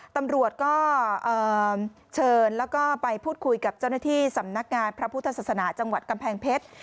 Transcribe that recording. ตำรวจก็เชิญแล้วก็ไปพูดคุยกับเจ้าหน้าที่สำนักงานพระพุทธศาสนาจังหวัดกำแพงเพชร